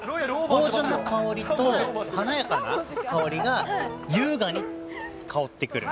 芳じゅんな香りと華やかな香りが優雅に香ってくる。